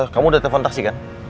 kamu udah telepon taksi kan